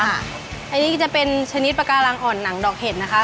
อันนี้ก็จะเป็นชนิดปากการังอ่อนหนังดอกเห็ดนะคะ